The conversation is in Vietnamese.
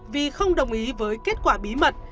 vì không đồng ý với kết quả bí mật